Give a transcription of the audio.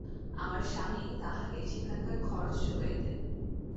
আমার স্বামীই তাঁহাকে সেখানকার খরচ জোগাইতেন।